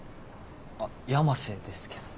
あっ山瀬ですけど。